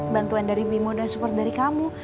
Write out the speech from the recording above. bantuan dari mimo dan support dari kamu